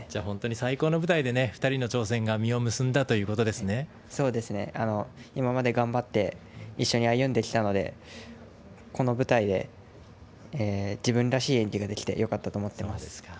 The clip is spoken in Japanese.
本当に最高の舞台で２人の挑戦が実を今まで頑張って一緒に歩んできたのでこの舞台で自分らしい演技ができてよかったと思ってます。